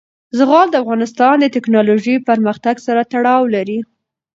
زغال د افغانستان د تکنالوژۍ پرمختګ سره تړاو لري.